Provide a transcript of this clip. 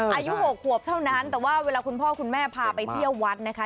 อายุ๖ขวบเท่านั้นแต่ว่าเวลาคุณพ่อคุณแม่พาไปเที่ยววัดนะคะ